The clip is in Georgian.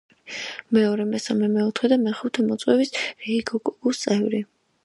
მეორე, მესამე, მეოთხე და მეხუთე მოწვევის რიიგიკოგუს წევრი.